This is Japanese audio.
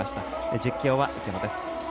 実況は池野です。